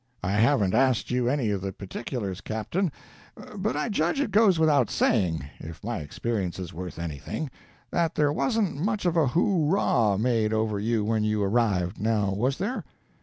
I haven't asked you any of the particulars, Captain, but I judge it goes without saying—if my experience is worth anything—that there wasn't much of a hooraw made over you when you arrived—now was there?"